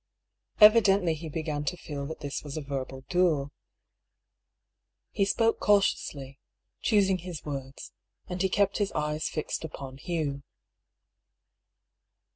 Evidently he began to feel that this was a verbal duel. He spoke cautiously, choosing his words, and he kept his eyes fixed upon Hugh.